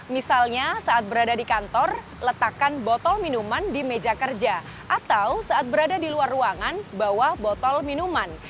misalnya saat berada di kantor letakkan botol minuman di meja kerja atau saat berada di luar ruangan bawa botol minuman